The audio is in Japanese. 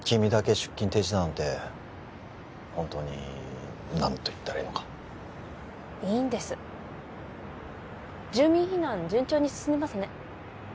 出勤停止だなんて本当に何と言ったらいいのかいいんです住民避難順調に進んでますね